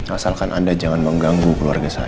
asalkan anda jangan mengganggu keluarga saya